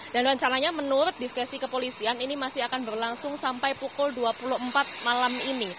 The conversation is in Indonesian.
dan rencananya menurut diskusi kepolisian ini masih akan berlangsung sampai pukul dua puluh empat malam ini